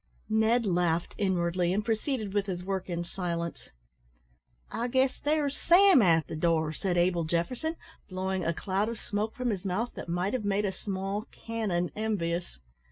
Ned laughed inwardly, and proceeded with his work in silence. "I guess there's Sam at the door," said Abel Jefferson, blowing a cloud of smoke from his mouth that might have made a small cannon envious.